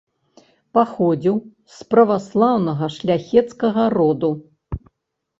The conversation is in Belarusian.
Паходзіў з праваслаўнага шляхецкага роду.